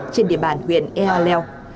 trên địa bàn huyện ea leo